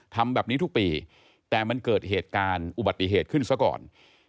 ทำแบบนี้ทุกปีแต่มันเกิดเหตุการณ์อุบัติเหตุขึ้นซะก่อน